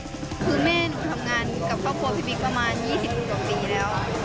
คือแม่หนูทำงานกับครอบครัวพี่บิ๊กประมาณ๒๐กว่าปีแล้ว